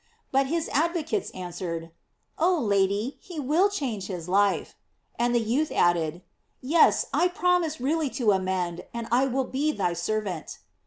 But his advocates answered: "Oh Lady, he will change his life;'* and the youth added: "Yes, I promise really to amend, and I will be thy servant."